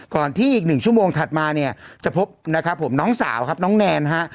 ก่อนที่อีกหนึ่งชั่วโมงถัดมาเนี่ยจะพบนะครับผมน้องสาวครับน้องแนนฮะ